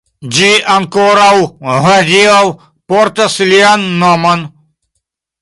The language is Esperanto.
Ĝi ankoraŭ hodiaŭ portas lian nomon.